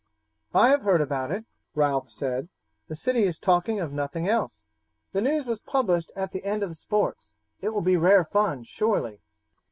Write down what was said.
"I have heard about it," Ralph said. "The city is talking of nothing else. The news was published at the end of the sports. It will be rare fun, surely."